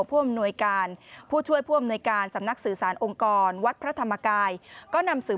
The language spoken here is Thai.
ผู้อำนวยการผู้ช่วยผู้อำนวยการ